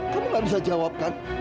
kamu gak bisa jawabkan